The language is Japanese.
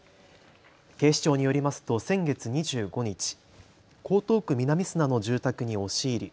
警視庁によりますと先月２５日、江東区南砂の住宅に押し入り